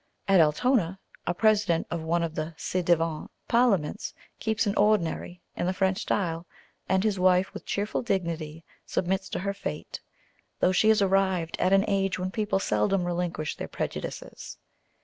At Altona, a president of one of the ci devant parliaments keeps an ordinary, in the French style; and his wife with cheerful dignity submits to her fate, though she is arrived at an age when people seldom relinquish their prejudices.